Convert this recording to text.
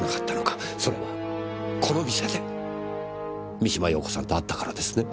それはこの店で三島陽子さんと会ったからですね？